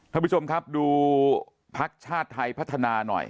ท่านผู้ชมครับดูพักชาติไทยพัฒนาหน่อย